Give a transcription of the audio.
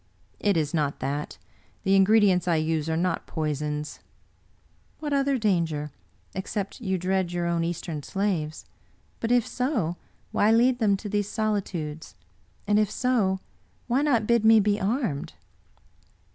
" It is not that. The ingredients I use are not poisons." " What other danger, except you dread your own East em slaves? But, if so, why lead them to these solitudes; and, if so, why not bid me be armed?